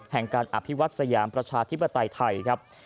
แห่งการอภิวัตสยามประชาธิปไตยไทยครับ